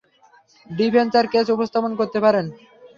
Defence তার case উপস্থাপন করতে পারেন।